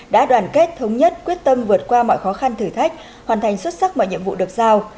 đã đoàn kết thống nhất quyết tâm vượt qua mọi khó khăn thử thách hoàn thành xuất sắc mọi nhiệm vụ được giao